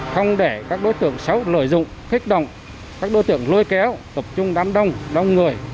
không để các đối tượng xấu lợi dụng kích động các đối tượng lôi kéo tập trung đám đông người